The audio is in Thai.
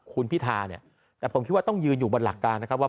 คุณพิธาเนี่ยแต่ผมคิดว่าต้องยืนอยู่บนหลักการนะครับว่า